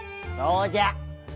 そうじゃ。